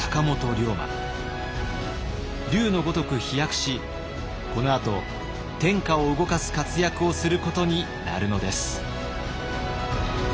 龍のごとく飛躍しこのあと天下を動かす活躍をすることになるのです。